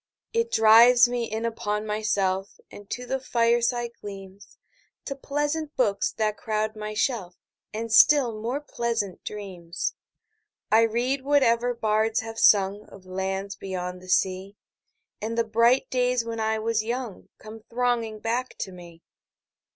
It drives me in upon myself 5 And to the fireside gleams, To pleasant books that crowd my shelf, And still more pleasant dreams. I read whatever bards have sung Of lands beyond the sea, 10 And the bright days when I was young Come thronging back to me.